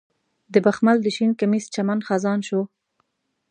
د بخمل د شین کمیس چمن خزان شو